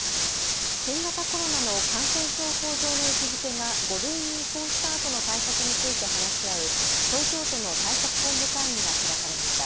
新型コロナの感染症法上の位置づけが５類に移行したあとの対策について話し合う東京都の対策本部会議が開かれました。